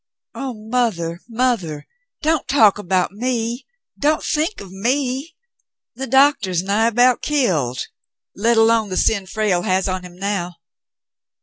"Oh, mother, mother! Don't talk about me, don't think of me ! The doctor's nigh about killed — let alone the sin Frale has on him now."